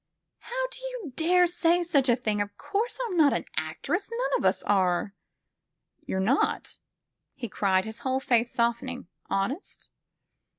How do you dare say such a thing ! Of course I 'm not an actress. None of us are." "You're not!" he cried, his whole face softening. "Honest!"